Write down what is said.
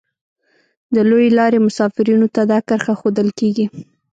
د لویې لارې مسافرینو ته دا کرښه ښودل کیږي